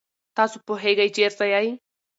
تاسو پوهېږئ چېرته یئ؟